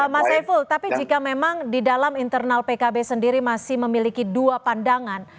mas saiful tapi jika memang di dalam internal pkb sendiri masih memiliki dua pandangan